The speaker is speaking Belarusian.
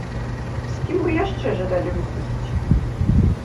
З кім бы яшчэ жадалі выступіць?